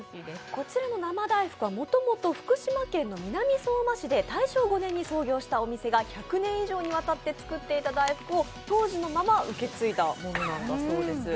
こちらの生大福はもともと福島県の南相馬市で大正５年に創業したお店が１００年以上にわたって作っていた大福を当時のまま受け継いだものなんだそうです。